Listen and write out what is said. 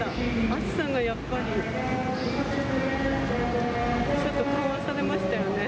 暑さがやっぱりちょっと緩和されましたよね。